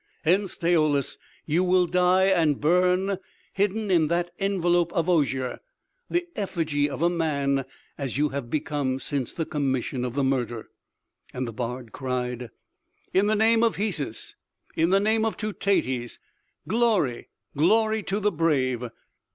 Hence, Daoulas, you will die and burn hidden in that envelop of osier, the effigy of a man, as you have become since the commission of the murder." And the bard cried: "In the name of Hesus! In the name of Teutates! Glory, glory to the brave!